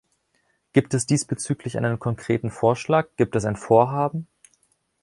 Gibt es diesbezüglich einen konkreten Vorschlag, gibt es ein Vorhaben?